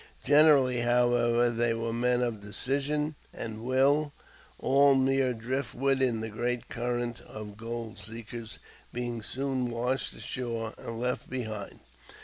Generally, however, they were men of decision and will, all mere drift wood in the great current of gold seekers being soon washed ashore and left behind.